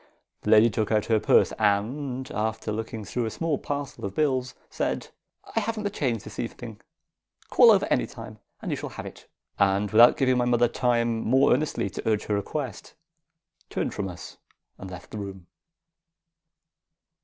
The lady took out her purse; and, after looking through a small parcel of bills, said, "'I haven't the change this evening. Call over anytime, and you shall have it.' "And without giving my mother time more earnestly to urge her request, turned from us and left the room.